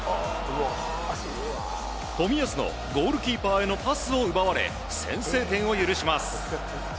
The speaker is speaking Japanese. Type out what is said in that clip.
冨安のゴールキーパーへのパスを奪われ先制点を許します。